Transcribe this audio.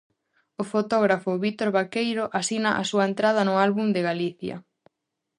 O fotógrafo Vítor Vaqueiro asina a súa entrada no "Álbum de Galicia".